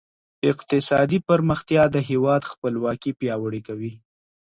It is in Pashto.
اقتصادي پرمختيا د هېواد خپلواکي پياوړې کوي.